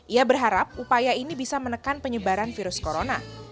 ia berharap upaya ini bisa menekan penyebaran virus corona